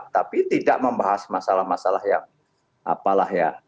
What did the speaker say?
tapi tidak membahas masalah masalah yang apalah ya